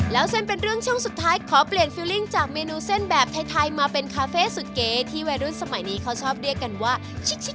แล้วเส้นเป็นเรื่องช่วงสุดท้ายขอเปลี่ยนฟิลลิ่งจากเมนูเส้นแบบไทยมาเป็นคาเฟ่สุดเก๋ที่วัยรุ่นสมัยนี้เขาชอบเรียกกันว่าชิก